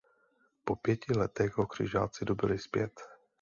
Po pěti letech ho křižáci dobyli zpět.